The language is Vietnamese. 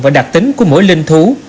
và đặc tính của mỗi linh thú